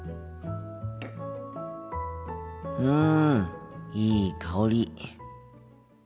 うんいい香り。